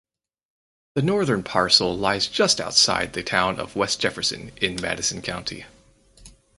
The northern parcel lies just outside the town of West Jefferson (in Madison County).